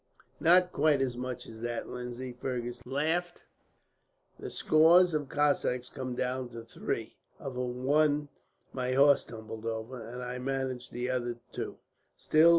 "Not quite as much as that, Lindsay," Fergus laughed. "The scores of Cossacks come down to three, of whom one my horse tumbled over, and I managed the other two.